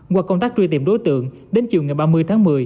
qua công tác truy tìm đối tượng đến chiều ngày ba mươi tháng một mươi